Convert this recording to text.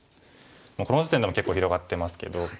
この時点でも結構広がってますけど。